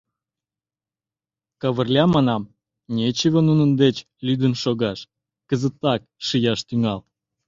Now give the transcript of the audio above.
— Кавырля, — манам, — нечыве нунын деч лӱдын шогаш, кызытак шияш тӱҥал!